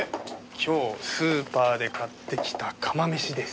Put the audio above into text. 今日スーパーで買ってきた釜めしです。